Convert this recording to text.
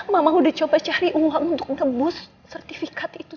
mama udah coba cari uang untuk ngebus sertifikat itu